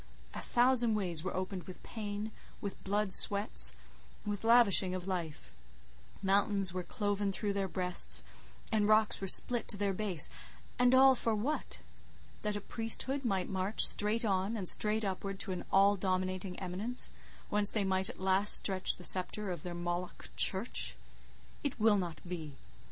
A thousand ways were opened with pain, with blood sweats, with lavishing of life; mountains were cloven through their breasts, and rocks were split to their base; and all for what? That a Priesthood might march straight on and straight upward to an all dominating eminence, whence they might at last stretch the sceptre of their Moloch "Church." It will not be.